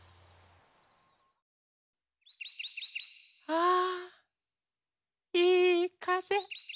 あいいかぜ。